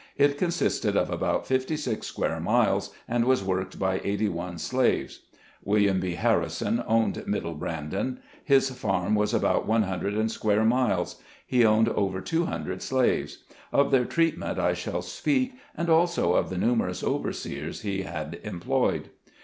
It consisted of about fifty six square miles, and was worked by eighty one slaves. William B. Harrison owned Middle Brandon. His farm was about one hundred square miles. He owned over two hundred slaves. Of their treatment I shall speak, and also of the numerous overseers he had employed.